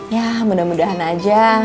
ya mudah mudahan aja